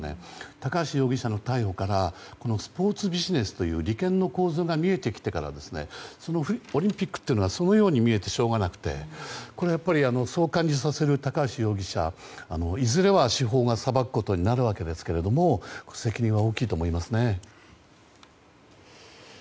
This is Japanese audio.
高橋容疑者の逮捕からスポーツビジネスという理研の構図が見えてきてからオリンピックというのはそのように見えてしょうがなくてそう感じさせる高橋容疑者いずれは司法が裁くことになるわけですけども責任は大きいと思いますね。